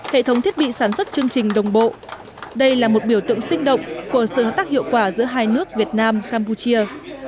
hệ thống thiết bị sản xuất chương trình đồng bộ đây là một biểu tượng sinh động của sự hợp tác hiệu quả giữa hai nước việt nam campuchia